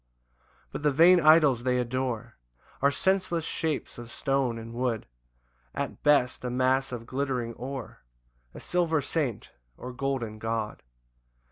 4 But the vain idols they adore Are senseless shapes of stone and wood; At best a mass of glittering ore, A silver saint, or golden god.